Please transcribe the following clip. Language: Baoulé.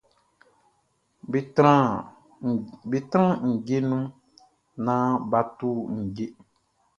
Be tran ndje nu nan ba tu ndje.